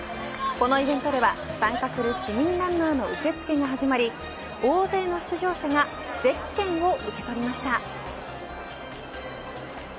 このイベントでは、参加する市民ランナーの受け付けが始まり大勢の出場者がゼッケンを受け取りました。